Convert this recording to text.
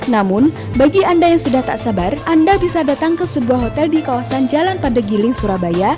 namun bagi anda yang sudah tak sabar anda bisa datang ke sebuah hotel di kawasan jalan pandegiling surabaya